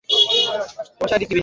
গিয়ে দেখতো ও গেছে না-কি।